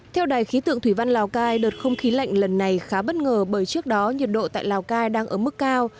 theo đài khí tượng thủy văn lào cai đợt không khí lạnh lần này khá bất ngờ bởi trước đó nhiệt độ tại lào cai đang ở mức cao